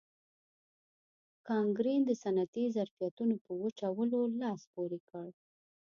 کانکرین د صنعتي ظرفیتونو په وچولو لاس پورې کړ.